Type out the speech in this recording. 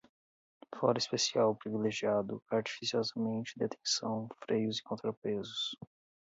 foro especial ou privilegiado, artificiosamente, detenção, freios e contrapesos